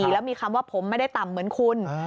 แล้วมีคำว่าผมไม่ได้ต่ำเหมือนคุณ